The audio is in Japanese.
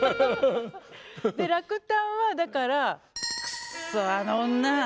で落胆はだから「クッソあの女。